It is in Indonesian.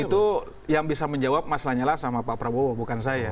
itu yang bisa menjawab mas lanyala sama pak prabowo bukan saya